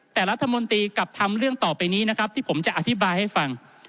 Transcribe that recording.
แต่รัฐมนตรีกลับทำเรื่องต่อไปนี้นะครับที่ผมจะอธิบายให้ฟัง